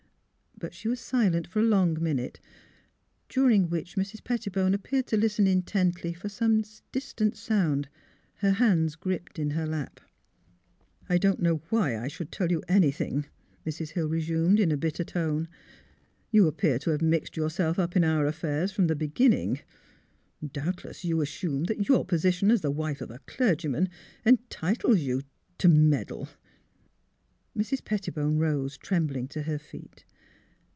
But she was silent for a long minute, during which Mrs. Pettibone appeared to listen intently for some distant sound, her hands gripped in her lap. " I don't know why I should tell you anything,'* Mrs. Hill resumed, in a bitter tone. " You ap pear to have mixed yourself up in our affairs from the beginning. Doubtless you assume that your position as the wife of a clergyman entitles you to — meddle." Mrs. Pettibone rose trembling to her feet.